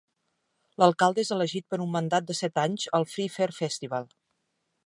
L'alcalde és elegit per a un mandat de set anys al Free Fair Festival.